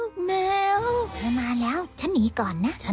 ความลับของแมวความลับของแมว